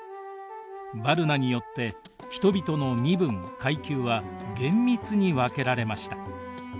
ヴァルナによって人々の身分階級は厳密に分けられました。